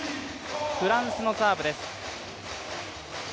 フランスのサーブです。